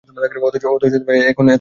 অথচ এখানেই এতবড় প্যাচ!